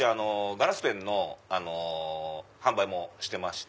ガラスペンの販売もしてまして。